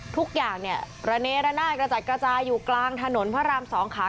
ทุกอย่างเนี่ยระเนระนาดกระจัดกระจายอยู่กลางถนนพระราม๒ขา